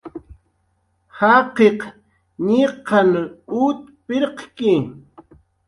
Jaqiq ñiqan ut pirqki